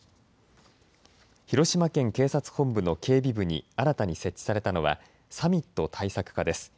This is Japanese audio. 広島県警察本部の警備部に新たに設置されたのはサミット対策課です。